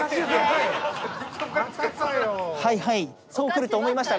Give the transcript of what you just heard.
はいはい。